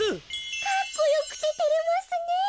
かっこよくててれますねえ。